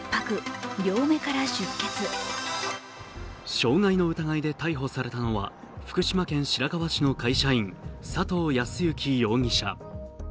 傷害の疑いで逮捕されたのは福島県白河市の会社員佐藤泰行容疑者。